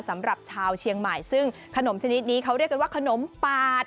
สำหรับชาวเชียงใหม่ซึ่งขนมชนิดนี้เขาเรียกกันว่าขนมปาด